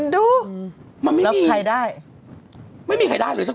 ดูแล้วใครได้ไม่มีใครได้เลยสักหนึ่ง